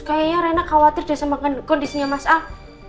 kayaknya reina khawatir dari kondisinya mas al